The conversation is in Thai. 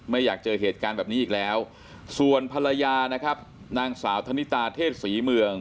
ไม่อยากเจอเหตุการณ์แบบนี้อีกแล้วส่วนภรรยานะครับนางสาวธนิตาเทศศรีเมือง